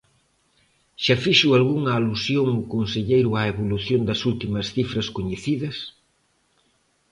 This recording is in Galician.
Xa fixo algunha alusión o conselleiro á evolución das últimas cifras coñecidas.